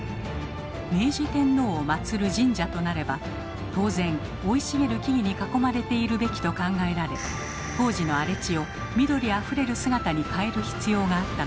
明治天皇を祀る神社となれば当然生い茂る木々に囲まれているべきと考えられ当時の荒れ地を緑あふれる姿に変える必要があったのです。